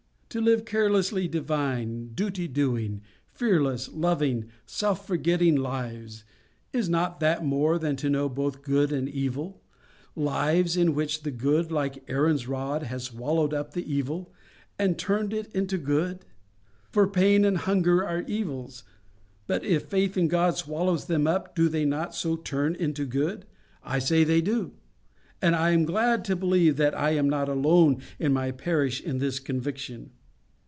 To live carelessly divine, duty doing, fearless, loving, self forgetting lives—is not that more than to know both good and evil—lives in which the good, like Aaron's rod, has swallowed up the evil, and turned it into good? For pain and hunger are evils, but if faith in God swallows them up, do they not so turn into good? I say they do. And I am glad to believe that I am not alone in my parish in this conviction.